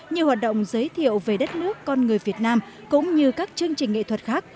nhiều hoạt động giới thiệu về đất nước con người việt nam cũng như các chương trình nghệ thuật khác